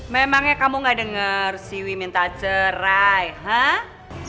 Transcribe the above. memangnya kamu gak denger si wi minta cerai hah